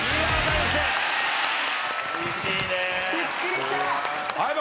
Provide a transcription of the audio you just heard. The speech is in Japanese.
びっくりした！